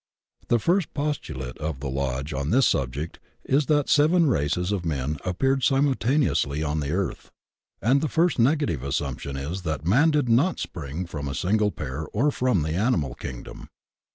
The first postu late of the Lodge on this subject is that seven races of men appeared simultaneously on the earth, and the first negative assumption is that man did not spring from a single pair or from the animal kingdom.